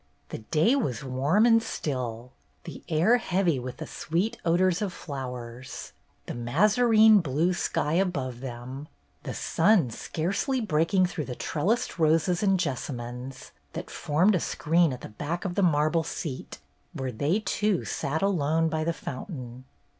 The day was warm and still, the air heavy with the sweet odors of flowers ; the mazarine blue sky above them, the sun scarcely breaking through the trellised roses and jessamines that formed a screen at the back of the marble seat where they two sat alone by the fountain.